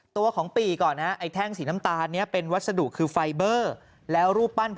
ตัวของปีก่อนนะไอ้แท่งสีน้ำตาลนี้เป็นวัสดุคือไฟเบอร์แล้วรูปปั้น